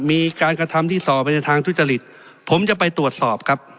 มีการกระทำที่ส่อไปในทางทุจริตผมจะไปตรวจสอบครับ